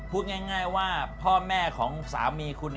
พูดง่ายว่าพ่อแม่ของสามีคุณ